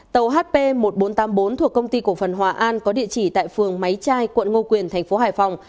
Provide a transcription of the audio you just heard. tàu hp một nghìn bốn trăm tám mươi bốn thuộc công ty cổ phần hòa an có địa chỉ tại phường máy trai quận ngô quyền thành phố hải phòng